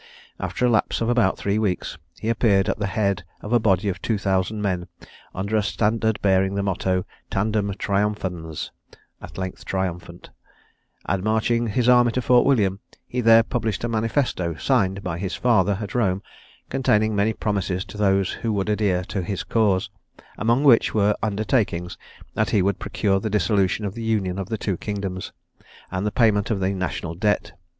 After a lapse of about three weeks, he appeared at the head of a body of two thousand men, under a standard bearing the motto "Tandem triumphans" "At length triumphant," and marching his army to Fort William, he there published a manifesto, signed by his father at Rome, containing many promises to those who would adhere to his cause, amongst which were undertakings that he would procure the dissolution of the union of the two kingdoms, and the payment of the national debt.